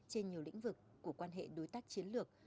trên nhiều lĩnh vực của quan hệ đối tác chiến lược